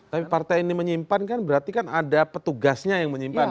tapi partai ini menyimpan kan berarti kan ada petugasnya yang menyimpan